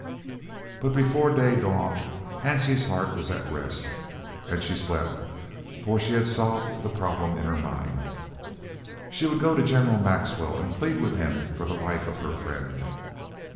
But before day dawned Hansie's heart was at rest and she slept, for she had solved the problem in her mind. She would go to General Maxwell and plead with him for the life of her friend.